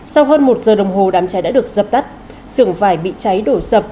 sau hơn một giờ đồng hồ đám cháy đã được dập tắt sưởng vải bị cháy đổ sập